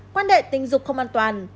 quan đệ tình dục không an toàn